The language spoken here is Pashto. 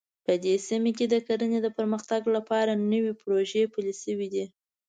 په دې سیمه کې د کرنې د پرمختګ لپاره نوې پروژې پلې شوې دي